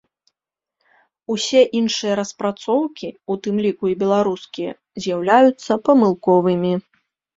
Усе іншыя распрацоўкі, у тым ліку і беларускія, з'яўляюцца памылковымі.